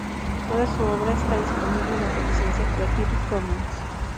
Toda su obra está disponible bajo licencia Creative Commons.